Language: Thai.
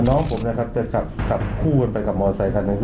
น้องผมจะขับคู่ไปกับมอเตอร์ไซค์